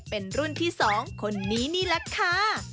เป็นรุ่นที่๒คนนี้นี่แหละค่ะ